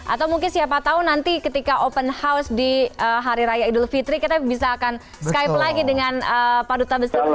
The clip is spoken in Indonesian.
atau mungkin siapa tahu nanti ketika open house di hari raya idul fitri kita bisa akan skype lagi dengan pak duta besar